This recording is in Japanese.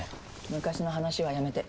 昔の話はやめて。